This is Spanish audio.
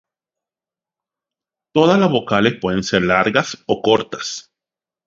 Todas las vocales pueden ser largas o cortas.